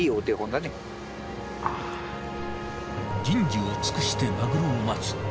人事を尽くしてマグロを待つ。